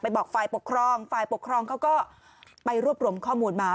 บอกฝ่ายปกครองฝ่ายปกครองเขาก็ไปรวบรวมข้อมูลมา